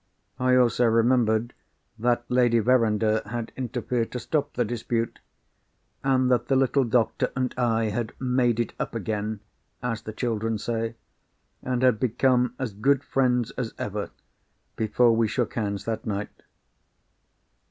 I also remembered that Lady Verinder had interfered to stop the dispute, and that the little doctor and I had "made it up again," as the children say, and had become as good friends as ever, before we shook hands that night.